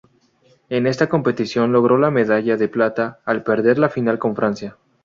En esta competición, logró la medalla de plata, al perder la final con Francia.